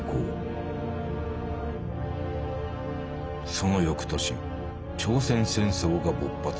その翌年朝鮮戦争が勃発。